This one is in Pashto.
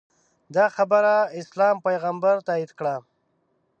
دا خبره اسلام پیغمبر تاییده کړه